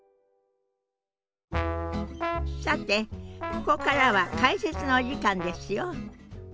さてここからは解説のお時間ですよ。